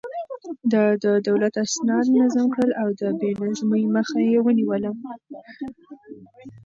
ده د دولت اسناد منظم کړل او د بې نظمۍ مخه يې ونيوله.